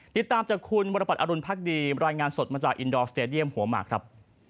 ติดตามจากคุณวรปัตรอรุณพักดีรายงานสดมาจากอินดอร์สเตดียมหัวหมากครับ